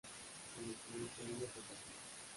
En el siguiente año fue campeón.